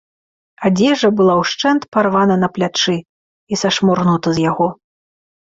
Адзежа была ўшчэнт парвана на плячы і сашморгнута з яго.